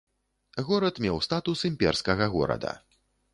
Горад меў статус імперскага горада.